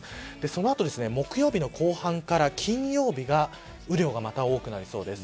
その後木曜日の後半から金曜日が雨量がまた多くなりそうです。